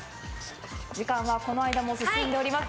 時間はこの間も進んでおります。